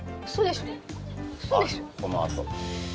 このあと。